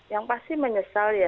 yang pasti menyesal ya